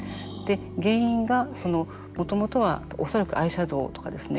原因が、もともとは恐らくアイシャドウとかですね